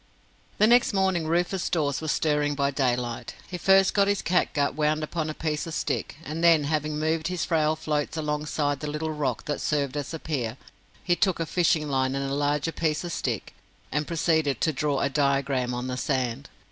The next morning Rufus Dawes was stirring by daylight. He first got his catgut wound upon a piece of stick, and then, having moved his frail floats alongside the little rock that served as a pier, he took a fishing line and a larger piece of stick, and proceeded to draw a diagram on the sand.